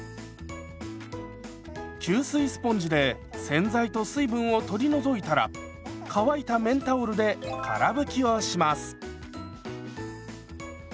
吸水スポンジで洗剤と水分を取り除いたら乾いた綿タオルでから拭きをします。